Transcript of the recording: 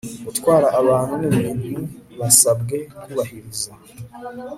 Gutwara Abantu n Ibintu basabwe kubahiriza